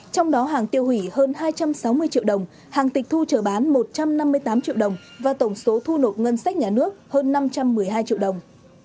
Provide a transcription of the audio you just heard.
trong đó hàng tiêu hủy hơn hai trăm sáu mươi triệu đồng hàng tịch thu trở bán một trăm năm mươi tám triệu đồng và tổng số thu nộp ngân sách nhà nước hơn năm trăm một mươi hai triệu đồng